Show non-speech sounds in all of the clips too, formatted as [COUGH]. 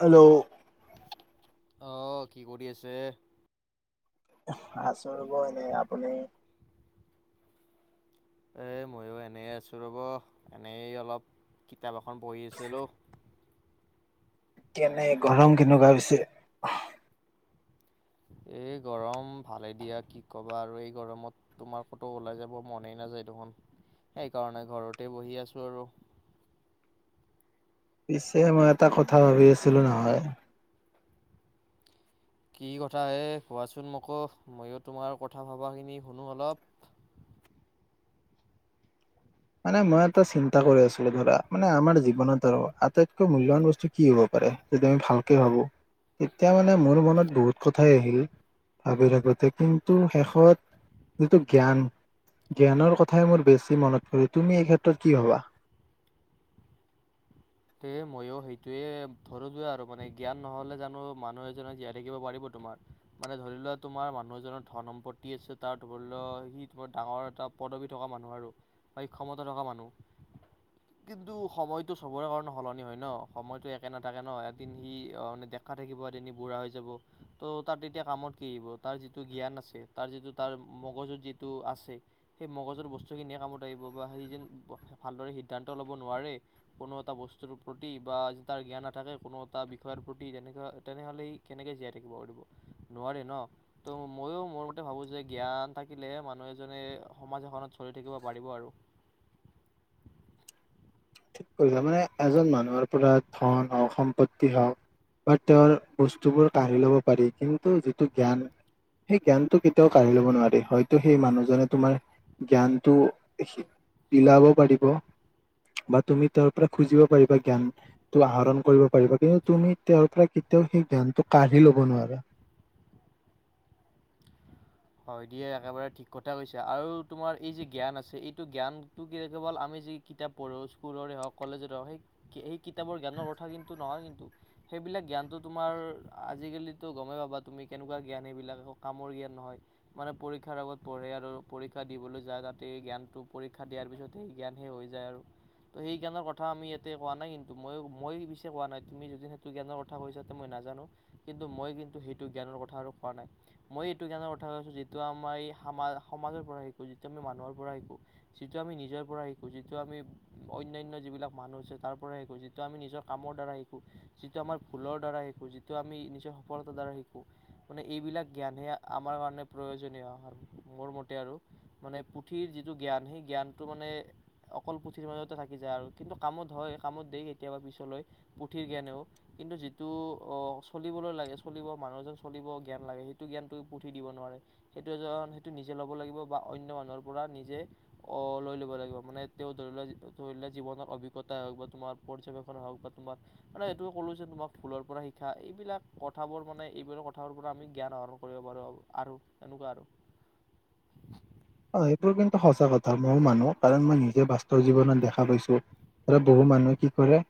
Hello. অ', কি কৰি আছে? আছোঁ ৰ'ব এনেই, আপুনি? এই মইও এনেই আছোঁ ৰ'ব, এনেই অলপ কিতাপ এখন পঢ়ি আছিলোঁ। কেনে গৰম, কেনেকুৱা পিছে? এই গৰম ভালে দিয়া। কি ক'বা আৰু এই গৰমত তোমাৰ ক'তো ওলাই যাব মনেই নাযায় দেখোন, সেইকাৰণে ঘৰতে বহি আছোঁ আৰু। পিছে, মই এটা কথা ভাবি আছিলোঁ নহয়। কি কথা হে? কোৱাচোন মোকো, মইও তোমাৰ কথা-ভবাখিনি শুনো অলপ। মানে, মই এটা চিন্তা কৰি আছোঁ। ছিলোঁ ধৰা, মানে আমাৰ জীৱনত আৰু আটাইতকৈ মূল্যবান বস্তু কি হ'ব পাৰে? যদি আমি ভালকে ভাবোঁ এতিয়া মানে, মোৰ মনত বহুত কথাই আহিল, ভাবি থাকোঁতে, কিন্তু শেষত যিটো জ্ঞান, জ্ঞানৰ কথাই মোৰ বেছি মনত পৰে, তুমি এই ক্ষেত্ৰত কি ভাবা? এ, মইও সেইটোৱে ধৰো যোৱা আৰু, মানে জ্ঞান নহ'লে জানো মানুহ এজনক জীয়াই থাকিব পাৰিব? তোমাৰ মানে ধৰি লোৱা, তোমাৰ মানুহ এজনৰ ধন-সম্পত্তি আছে। তাৰ ধৰি ল, সি তোমাৰ ডাঙৰ এটা পদবী থকা মানুহ আৰু, বা ক্ষমতা থকা মানুহ। কিন্তু, সময়টো চবৰে কাৰণে ন, সলনি হয় ন? সময়তো একে নাথাকে ন? এদিন সি অ', নেদেখা থাকিব, এদিন সি বুঢ়া হৈ যাব ত', তাত তেতিয়া কামত কি আহিব? তাৰ যিটো জ্ঞান আছে, তাৰ যিটো, তাৰ মগজত যিটো আছে সেই মগজৰ বস্তুখিনিয়ে কামত আহিব। বা সেই যেন, ভালদৰে সিদ্ধান্ত ল'ব নোৱাৰেই। কোনো এটা ব বস্তুটো প্ৰতি বা তাৰ জ্ঞান নাথাকে। কোনো এটা বিষয়ৰ প্ৰতি তেনেকা, তেনেহ'লে ই কেনেকৈ জীয়াই থাকিব পাৰিব। নোৱাৰে ন'! ত' মইয়ো, মোৰ মতে ভাবোঁ যে, জ্ঞান থাকিলেহে, মানুহ এজনে সমাজ এখনত চলি থাকিব পাৰিব আৰু। ঠিক [UNINTELLIGIBLE] মানে, এজন মানুহৰ পৰা ধন হওঁক, সম্পত্তি হওঁক, বা তেওঁৰ বস্তুবোৰ কাঢ়ি ল'ব পাৰি। কিন্তু, যিটো জ্ঞান সেই জ্ঞানটো কেতিয়াও কাঢ়ি ল'ব নোৱাৰে। হয়তো, সেই মানুহজনে তোমাৰ জ্ঞানটো [UNINTELLIGIBLE] বিলাব পাৰিব। বা তুমি, তেওঁৰ পৰা খুজিব পাৰিবা জ্ঞান। আহৰণ কৰিব পাৰিবা। কিন্তু, তুমি তেওঁৰ পৰা, কেতিয়াও সেই, জ্ঞানটো কাঢ়ি ল'ব নোৱাৰা। হয় দিয়া, একেবাৰে ঠিক কথা কৈছে! আৰু তোমাৰ, এই যি জ্ঞান আছে, এইটো জ্ঞানটো কি কেৱল, আমি যি কিতাপ পঢ়ো, স্কুলৰে হওঁক, কলেজৰে হওঁক। সেই, সেই কিতাপৰ জ্ঞানৰ কথা কিন্তু, নহয় কিন্তু। সেইবিলাক জ্ঞানটো তোমাৰ, আজিকালিতো গমেই পাবা। তুমি, কেনেকুৱা জ্ঞান সেইবিলাক, কামৰ জ্ঞান নহয়। মানে, পৰীক্ষাৰ আগত পঢ়ে আৰু পৰীক্ষা দিবলৈ যায়। তাতে, জ্ঞানটো পৰীক্ষা দিয়াৰ পিছত সেই জ্ঞানহে হৈ যায় আৰু। ত' সেই, জ্ঞানৰ কথা আমি ইয়াতে কোৱা নাই, কিন্তু। মইয়ো, মই পিছে, কোৱা নাই। তুমি যদি সেইটো জ্ঞানৰ কথা কৈছা, ত' মই নাজানোঁ। কিন্তু, মই কিন্তু, সেইটো জ্ঞানৰ কথা আৰু কোৱা নাই। মই এইটো জ্ঞানৰ কথা কৈছোঁ। যিটো আমাৰ, এই সমা, সমাজৰ পৰা শিকোঁ, যিটো আমি মানুহৰ পৰা শিকোঁ। যিটো আমি নিজৰ পৰা শিকোঁ। যিটো আমি অন্যান্য যিবিলাক মানুহ আছে, তাৰ পৰাই শিকোঁ। যিটো আমি, নিজৰ কামৰ দ্বাৰা শিকোঁ। যিটো আমাৰ ভুলৰ দ্বাৰা শিকোঁ। যিটো আমি, নিজৰ সফলতাৰ দ্বাৰা শিকোঁ। মানে, এইবিলাক জ্ঞানহে আমাৰ মান মানে, প্ৰয়োজনীয় মোৰ মতে আৰু। মানে, পুথিৰ যিটো জ্ঞান, সেই জ্ঞানটো মানে, অকল পুথিৰ মাজতে থাকি যায় আৰু। কিন্তু, কামত হয়, কামত দিয়ে কেতিয়াবা পিছলৈ, পুথিৰ জ্ঞানেও। কিন্তু, যিটো অ'! চলিবলৈ লাগে, চলিব মানুহ এজন চলিব জ্ঞান লাগে, সেইটো জ্ঞানটো পুথি দিব নোৱাৰে। সেইটো এজন, সেইটো নিজে ল'ব লাগিব বা অন্য মানুহৰ পৰা নিজে অ'! লৈ ল'ব লাগিব। মানে, তেওঁ ধৰি লোৱা, ধৰি লোৱা, জীৱনৰ অভিজ্ঞতাই হওঁক বা তোমাৰ পৰ্যবেক্ষণে হওঁক বা তোমাৰ মানে, সেইটো ক'লো যে তোমাক, ফুলৰ পৰা শিকা। এইবিলাক কথাবোৰ মানে, এইবিলাক কথাবোৰ পৰা আমি জ্ঞান আহৰণ কৰিব পাৰোঁ আৰু। আৰু তেনেকুৱা আৰু। অ'! এইটোোৰ কিন্তু, সঁচা কথা! মইও মানুহ। কাৰণ, মই নিজে বাস্তৱ জীৱনত দেখা পাইছোঁ। এ, বহু মানুহে কি কৰে,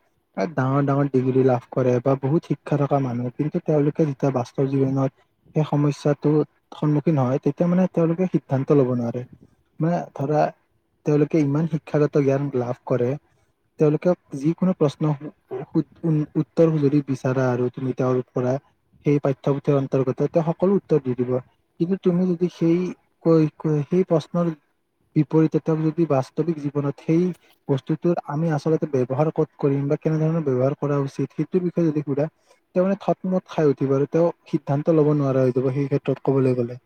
ডাঙৰ-ডাঙৰ ডিগ্ৰী লাভ কৰে বা বহুত শিক্ষা থকা মানুহ। কিন্তু, তেওঁলোকে যেতিয়া, বাস্তৱ জীৱনত সেই সমস্যাটো সন্মুখীন হয়। তেতিয়া মানে, তেওঁলোকে সিদ্ধান্ত ল'ব নোৱাৰে। মানে, ধৰা, তেওঁলোকে ইমান শিক্ষাগত জ্ঞান লাভ কৰে। তেওঁলোকে, যিকোনো প্ৰশ্ন, উ-উত্তৰ যদি বিচাৰা আৰু তুমি তেওঁৰ পৰা, সেই পাঠ্যপুথিৰ অন্তৰ্গত। তেওঁ, সকলো উত্তৰ দি দিব। কিন্তু, তুমি যদি, সেই কৈ-কৈ সেই, প্ৰশ্নৰ বিপৰীতে, তেওঁ যদি বাস্তৱিক জীৱনত, সেই বস্তুটোত, আমি আচলতে ব্যৱহাৰ ক'ত কৰিম বা কেনেধৰণৰ ব্যৱহাৰ কৰা উচিত। সেইটোৰ বিষয়ে যদি সোধা। তেওঁ মানে, থত-মত খাই উঠিব আৰু। তেওঁ, সিদ্ধান্ত ল'ব নোৱাৰা হৈ যাব, সেই ক্ষেত্ৰত ক'বলৈ গ'লে।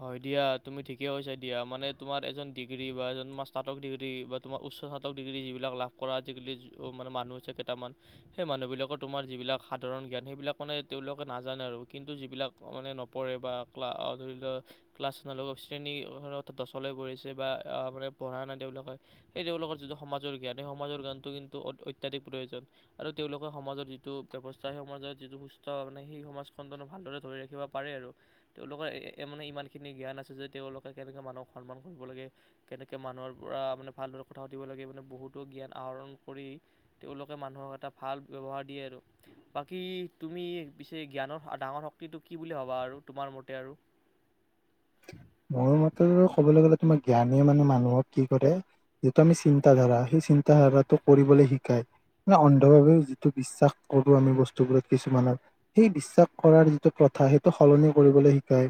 হয় দিয়া! তুমি ঠিকে কৈছা, দিয়া! মানে, তোমাৰ এজন ডিগ্ৰী বা এজন স্নাতক ডিগ্ৰী তোমাৰ উচ্চ স্নাতক ডিগ্ৰী, যিবিলাক লাভ কৰা আজিকালি, মানে মানুহ আছে, কেইটামান। সেই মানুহবিলাকৰ তোমাৰ যিবিলাক সাধাৰণ জ্ঞান, সেইবিলাক মানে, তেওঁলোকে নাজানে আৰু। কিন্তু, যিবিলাক অনে নপৰে বা ক্লা ধৰি লওক ক্লাছ নলক শ্ৰেণীৰ দছ গঢ়িছে বা মানে পঢ়া নাই তেওঁলোকে এই তেওঁলোকৰ যিটো সমাজৰ জ্ঞান সেই সমাজৰ জ্ঞানটো কিন্তু অত্যাধিক প্ৰয়োজন। আৰু তেওঁলোকৰ সমাজৰ যিটো ব্যৱস্থা সেই সমাজৰ যিটো সু্স্থ সেই সমাজখন ভালদৰে ধৰি ৰাখিব। পাৰে আৰু তেওঁলোকৰ মানে ইমানখিনি জ্ঞান আছে যে তেওঁলোকে কেনেকৈ মানুহক সন্মান কৰিব লাগে। কেনেকে মানুহৰ পৰা মানে ভালদৰে কথা পাতিব লাগে মানে বহুতো জ্ঞান আহৰণ কৰি তেওঁলোকে মানুহক এটা ভাল ব্যৱহাৰ দিয়ে আৰু। বাকী তুমি পিছে জ্ঞানৰ ডাঙৰ শক্তিটো কি বুলি ভবা আৰু তোমাৰ মতে আৰু। [INAUDIBLE] মোৰ মতে ক'বলৈ গ'লে তোমাৰ জ্ঞানে মানে মানুহক কি কৰে। যিটো আমি চিন্তাধাৰা সেই চিন্তাধাৰাটো কৰিবলৈ শিকাই। মানে অন্ধভাৱেও যিটো বিশ্বাস কৰো আমি বস্তুবোৰত কিছুমানত। সেই বিশ্বাস কৰাৰ যিটো প্ৰথা সেইটো সলনি কৰিবলৈ শিকায়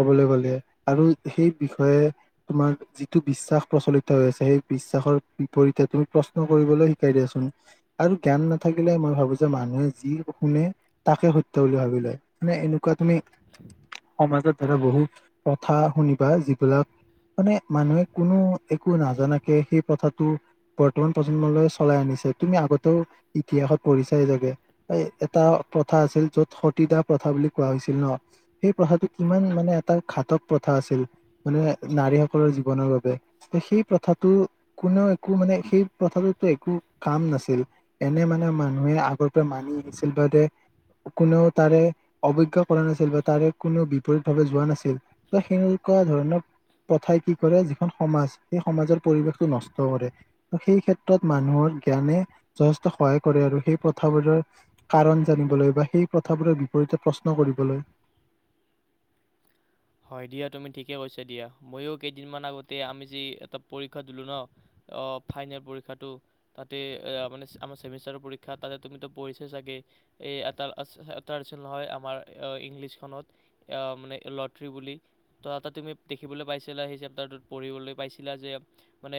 কবলৈ গলে। আৰু সেই বিষয়ে তোমাৰ যিটো বিশ্বাস প্ৰচলিত হৈ আছে, সেই বিশ্বাসৰ বিপৰীতে তুমি প্ৰশ্ন কৰিবলৈ শিকাই দিয়াচোন। আৰু জ্ঞান নাথাকিলে মই ভাবো যে মানুহে যি শুনে তাকে সত্য বুলি ভাবি লয়। মানে এনেকুৱা তুমি সমাজৰ ধৰা বহু কথা শুনিবা যি বলাক মানে মানুহে কোনো একো নাজানাকে সেই কথাটো বৰ্তমান প্ৰজন্মলৈ চলাই আনিছে, তুমি আগতেও ইতিহাসত পঢ়িছাই জাগে। এই এটা প্ৰথা আছিল য'ত সতীদা প্ৰথা বুলি কোৱা হৈছিল ন। সেই প্ৰথাটো কিমান মানে এটা ঘাতক প্ৰথা আছিল মানে নাৰীসকলৰ জীৱনৰ বাবে। সেই প্ৰথাটো কোনেও একো মানে সেই প্ৰথাটো একো কাম নাছিল। এনে মানে মানুহে আগৰ পৰা মানি আহিছিল বাবে কোনেও তাৰে অৱজ্ঞ কৰা নাছিল বা তাৰে কোনেও বিপৰীত ভাৱে যোৱা নাছিল। ত সেইসকল ধৰণক প্ৰথাই কি কৰে যিখন সমাজ, সেই সমাজৰ পৰিৱেশটো নষ্ট কৰে। সেই ক্ষেত্ৰত মানুহৰ জ্ঞানে যথেষ্ট সহায় কৰে আৰু সেই প্ৰথাবোৰৰ কাৰণ জানিবলৈ বা সেই প্ৰথাবোৰৰ বিপৰীতে প্ৰশ্ন কৰিবলৈ। হয় দিয়া তুমি ঠিকে কৈছা দিয়া মইও কেইদিনমান আগতে আমি যে এটা পৰীক্ষা দিলোঁ ন। অ ফাইনেল পৰীক্ষাটো। তাতে এ মানে আমাৰ চেমিষ্টাৰ পৰীক্ষা তাতে তুমিতো পঢ়িছাই চাগে। এ এটা এটা আছে নহয় আমাৰ ইংলিছখনত এ মানে ল'ৰা থ্ৰী বুলি ত' এটা তুমি দেখিবলৈ পাইছিলা সেই চেপ্টাৰটোত পঢ়িবলৈ পাইছিলা যে মানে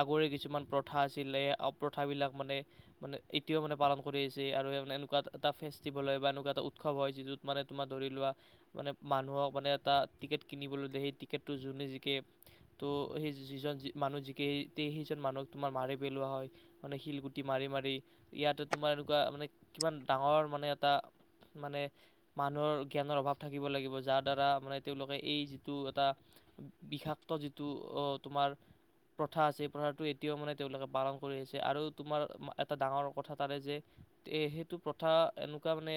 আগৰে কিছুমান প্ৰথা আছিলে অপ্ৰথাবিলাক মানে মানে এতিয়াও মানে পালন কৰি আহিছে আৰু এনেকুৱা এটা ফেষ্টিভেল হয় বা এনেকুৱা এটা উৎসৱ হয় যিটোত। মানে তোমাৰ ধৰি লোৱা মানে মানুহক। মানে এটা টিকেট কিনিবলৈ সেই টিকেটটো যোনে জিকে তো সেই যিজন যি মানুহ জিকে সেইজন মানুহক তোমাৰ মাৰি পেলোৱা হয়। মানে শিলগুটি মাৰি মাৰি, ইয়াতে তোমাৰ এনেকুৱা মানে কিমান ডাঙৰ মানে এটা মানে মানুহৰ জ্ঞানৰ অভাৱ থাকিব লাগিব যাৰ দ্বাৰা মানে তেওঁলোকে এই যিটো এটা বিষাক্ত যিটো অহ তোমাৰ প্ৰথা আছে এই প্ৰথাটো এতিয়াও মানে তেওঁলোকে পালন কৰি আহিছে আৰু তোমাৰ এটা ডাঙৰ কথা তাৰে যে এ সেইটো প্ৰথা এনেকুৱা মানে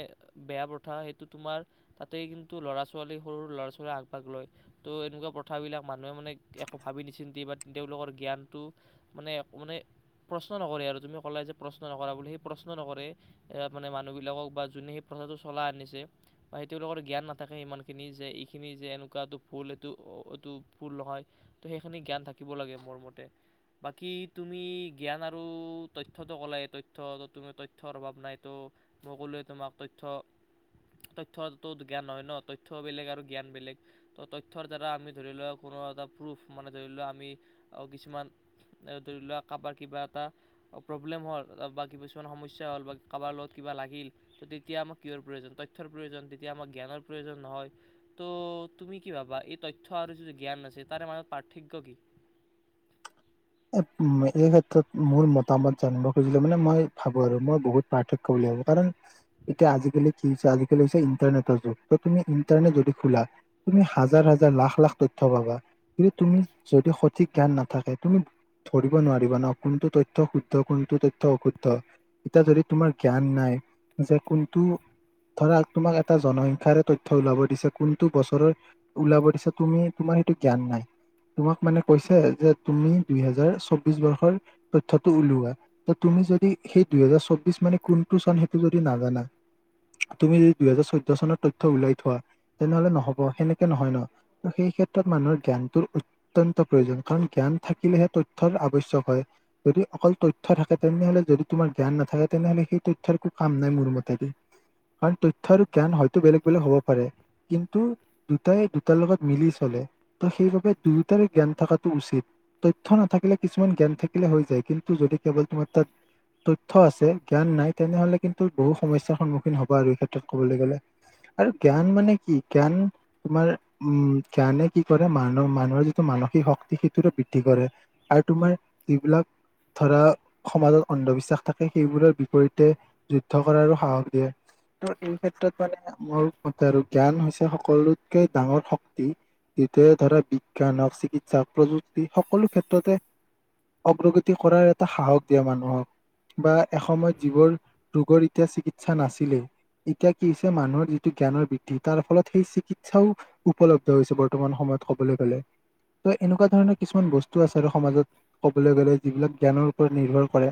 বেয়া প্ৰথা সেইটো কিন্তু ল'ৰা -ছোৱা ছোৱালী সৰু ল'ৰা- ছোৱালীয়ে আগভাগ লয়। ত' এনেকুৱা প্ৰথাবিলাক মানুহে মানে একো ভাবি নিচিন্তি বা তেওঁলোকৰ জ্ঞানটো মানে মানে প্ৰশ্ন নকৰে আৰু তুমি ক'লা যে প্ৰশ্ন নকৰা বুলি সেই প্ৰশ্ন নকৰে। ইয়াত মানে মানুহবিলাকক বা যোনে সেই প্ৰথাটো চলাই আনিছে বা সেই তেওঁলোকৰ জ্ঞান নাথাকে ইমান খিনি যে এইখিনি যে এনেকুৱাটো ভুল এইটো এটো ভুল হয়। ত' সেইখিনি জ্ঞান থাকিব লাগে মোৰ মতে। বাকী তুমি জ্ঞান আৰু তথ্যটো ক'লাই, তথ্য ত' তুমি তথ্যৰ অভাৱ নাই ত' মই ক'লোৱে তোমাক তথ্য, তথ্যটো জ্ঞান নহয় ন', তই থ্য বেলেগ আৰু জ্ঞান বেলেগ। ত', তথ্যৰ দ্বাৰা আমি ধৰি লোৱা কোনো এটা প্ৰুফ মানে ধৰি লোৱা আমি কিছুমান এ ধৰি লোৱা, কাবাৰ কিবা এটা প্ৰব্লেম হ'ল বা কিবিচমান সমস্যা হ'ল বা কাবাৰ লগত কিবা লাগিল। তেতিয়া আমাক কিহৰ প্ৰয়োজন? তথ্যৰ প্ৰয়োজন, তেতিয়া আমাক জ্ঞানৰ প্ৰয়োজন। নহয়। ত' তুমি কি ভাবা? এই তথ্য আৰু যিটো জ্ঞান আছে তাৰে মাজত পাৰ্থক্য কি? এই মেদিয়েৰ ক্ষেত্ৰত, মোৰ মতামত জানিব খুজিলে মানে মই ভাবোঁ আৰু মই বহুত পাৰ্থক্য বুলি ভাবোঁ কাৰণ এতিয়া আজিকালি আজিকালি হৈছে ইণ্টাৰনেটৰ যুগ, ত' তুমি ইন্টাৰনেট যদি খোলা তুমি হাজ হাজাৰ-হাজাৰ লাখ-লাখ তথ্য পাবা, কিন্তু তুমি যদি সঠিক জ্ঞান নাথাকে তুমি ধৰিব নোৱাৰিবা ন', কোনটো তথ্য শুদ্ধ, কোনটো তথ্য অশুদ্ধ। এতিয়া যদি তোমাৰ জ্ঞান নাই যে কোনটো ধৰা, তোমাক এটা জনসংখ্যাৰে তথ্য ওলাব দিছে কোনটো বছৰৰ ওলাব দিছে তুমি তোমাৰ সেইটো জ্ঞান নাই, তোমাক মানে কৈছে যে তুমি দুই হাজাৰ চবিশ বৰ্ষৰ তথ্যটো উলিওৱা। ত', তুমি যদি সেই দুই হাজাৰ চৌবিশ মানে কোনটো চন সেইটো যদি নাজানা তুমি যদি দুই হাজাৰ চৈধ্য চনৰ তথ্য উলাই থোৱা, তেনেহ'লে নহ'ব। সেনেকে নহয় ন'। সেই ক্ষেত্ৰত মানুহৰ জ্ঞানটোত অত্যন্ত প্ৰয়োজন, কাৰণ জ্ঞান থাক কিলেহে তথ্যৰ আৱশ্যক হয়। যদি অকল তথ্য থাকে, তেনেহ'লে যদি তোমাৰ জ্ঞান নাথাকে, তেনেহ'লে সেই তথ্যৰ কো কাম নাই মোৰ মতেদি। কাৰণ তথ্য আৰু জ্ঞান হয়তো বেলেগ বেলেগ হ'ব পাৰে। কিন্তু দুটাই দুটাৰ লগত মিলি চলে। ত', সেইবাবে দুয়োটাৰে জ্ঞান থকাটো উচিত। তথ্য নাথাকিলে কিছুমান জ্ঞান থাকিলে হৈ যায় কিন্তু যদি কেৱল তোমাৰ তাত তথ্য আছে, জ্ঞান নাই। তেনেহ'লে কিন্তু বহু সমস্যাৰ সন্মুখীন হ'বা আৰু এই ক্ষেত্ৰত ক'বলৈ গ'লে। আৰু জ্ঞান মানে কি? জ্ঞান তোমাৰ উম, জ্ঞানে কি কৰে মানু মানুহৰ যিটো মানসিক শক্তি সেইটোৰে বি দি কৰে আৰু তোমাৰ এইবিলাক ধৰা, সমাজৰ অন্ধবিশ্বাস থাকে সেইবোৰৰ বিপৰীতে যুদ্ধ কৰাৰো সাহস দিয়ে। ত', এই ক্ষেত্ৰত মানে মোৰ মতে আৰু জ্ঞান হৈছে সকলোতকে ডাঙৰ শক্তি। যিটোৱে ধৰা বিজ্ঞান হ'ক চিকিৎসা হ'ক প্ৰযুক সকলো ক্ষেত্ৰতে অগ্ৰগতি কৰাৰ এটা সাহস দিয়ে মানুহক। বা এসময়ত যিবোৰ ৰোগৰ এতিয়া চিকিৎসা নাছিলে এতিয়া কি হৈছে- মানুহৰ যিটো জ্ঞানৰ বৃদ্ধি, তাৰ ফলত সেই চিকিৎসাও উপলব্ধ হৈছে বৰ্তমান সময়ত ক'বলৈ গ'লে ত' এনেকুৱা ধৰণৰ কিছুমান বস্তু আছে আৰু সমাজত ক'বলৈ গ'লে যিবিলাক জ্ঞানৰ ওপৰত নিৰ্ভৰ কৰে।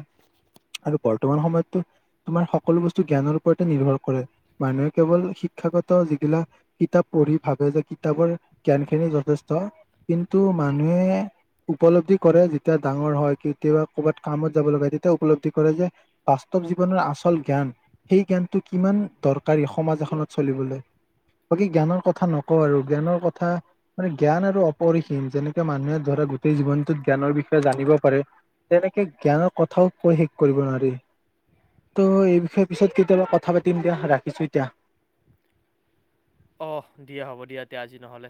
আৰু বৰ্তমান সময়ততো তোমাৰ সকলো বস্তু জ্ঞানৰ ওপৰতে নিৰ্ভৰ কৰে। মানুহে কেৱল শিক্ষাগত যিবিলাক। কিতাপ পঢ়ি ভাবে যে কিতাপৰ জ্ঞান খিনি যথেষ্ট কিন্তু মানুহে। উপলব্ধি কৰে যেতিয়া ডাঙৰ হয় কেতিয়াবা ক'ৰবাত কামত যাব লগা তেতিয়া উপলব্ধি কৰে যে। বাস্তৱ জীৱনৰ আচল জ্ঞান। সেই জ্ঞানটো কিমান দৰকাৰী সমাজ এখনত চলিবলৈ। বাকী জ্ঞানৰ কথা নকওঁ আৰু জ্ঞানৰ কথা মানে জ্ঞান আৰু অপৰিসীম যেনেকে মানুহে। ধৰা গোটেই জীৱনটোত জ্ঞানৰ বিষয়ে জানিব পাৰে। তেনেকে জ্ঞানৰ কথাও কৈ শেষ কৰিব নোৱাৰি। ত' এই বিষয়ে পিছত কেতিয়াবা কথা পাতিম দিয়া ৰাখিছো এতিয়া। অঁ দিয়া হ'ব দিয়া এতিয়া আজি নহ'লে।